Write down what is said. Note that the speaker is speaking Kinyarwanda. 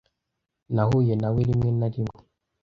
nahuye na we rimwe na rimwe